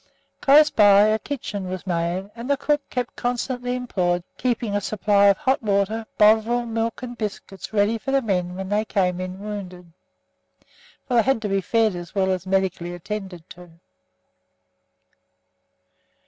Close by a kitchen was made, and a cook kept constantly employed keeping a supply of hot water, bovril, milk and biscuits ready for the men when they came in wounded, for they had to be fed as well as medically attended to.